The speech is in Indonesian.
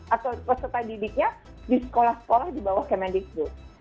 atau peserta didiknya di sekolah sekolah di bawah kemendikbud